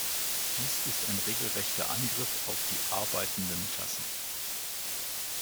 Dies ist ein regelrechter Angriff auf die arbeitenden Klassen.